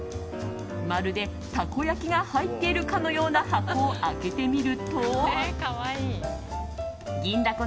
まるで、たこ焼きが入っているかのような箱を開けてみると銀だ